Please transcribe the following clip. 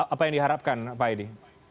apa yang diharapkan pak edi